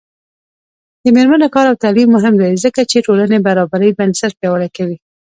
د میرمنو کار او تعلیم مهم دی ځکه چې ټولنې برابرۍ بنسټ پیاوړی کوي.